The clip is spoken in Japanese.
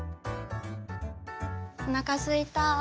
おなかすいた。